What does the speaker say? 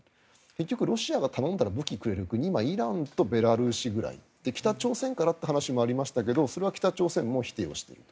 結局、ロシアが頼んだら武器をくれる国イランとベラルーシくらい北朝鮮からという話もありましたがそれは北朝鮮も否定をしている。